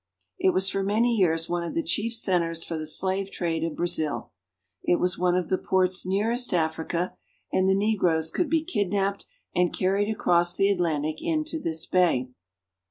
It was for many years one of the chief centers for the slave trade of Brazil. It was one of the ports nearest Africa, and the negroes could be kidnaped and carried across the Atlantic into this bay.